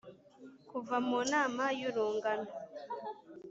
kuva mu nama y'urungano.